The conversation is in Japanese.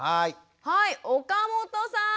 はい岡本さん。